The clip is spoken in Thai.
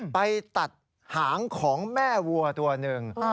ไปตัดหางของแม่วัวตัวหนึ่ง